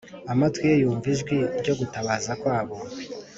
amatwi ye yumva ijwi ryo gutabaza kwabo